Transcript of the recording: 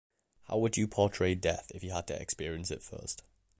How would you portray death if you had to experience it first?